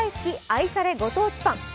愛されご当地パン」。